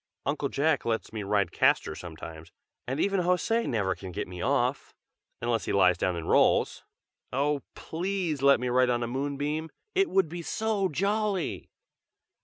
Uncle Jack lets me ride Castor sometimes, and even José never can get me off, unless he lies down and rolls! oh! please let me ride on a moonbeam! it would be so jolly!"